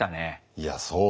いやそうね。